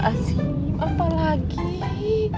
astagfirullah azim apalagi